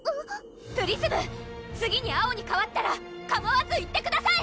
プリズム次に青にかわったらかまわず行ってください！